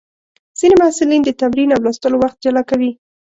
ځینې محصلین د تمرین او لوستلو وخت جلا کوي.